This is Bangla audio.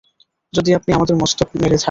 যদি আপনি আমাদের মস্তিষ্ক নেড়ে ঝাঁকান।